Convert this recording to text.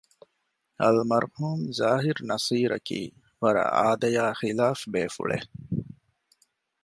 އަލްމަރްޙޫމް ޒާހިރު ނަޞީރަކީ ވަރަށް އާދަޔާ ޚިލާފު ބޭފުޅެއް